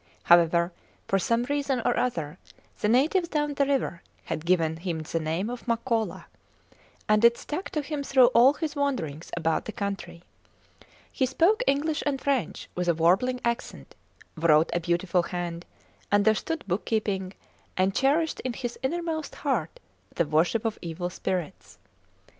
However, for some reason or other, the natives down the river had given him the name of Makola, and it stuck to him through all his wanderings about the country. He spoke English and French with a warbling accent, wrote a beautiful hand, understood bookkeeping, and cherished in his innermost heart the worship of evil spirits.